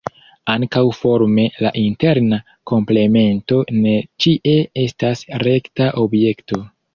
Ankaŭ forme la interna komplemento ne ĉie estas rekta objekto.